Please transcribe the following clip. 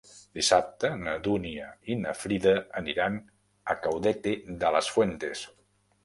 Dissabte na Dúnia i na Frida aniran a Caudete de las Fuentes.